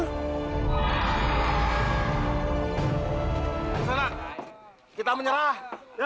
keserak kita menyerah